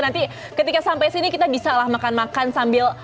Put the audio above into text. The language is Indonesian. nanti ketika sampai sini kita bisa lah makan makan sambil